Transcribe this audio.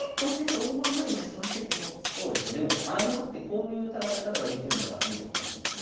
でも穴熊ってこういう戦い方ができるのがいいところなんですよ。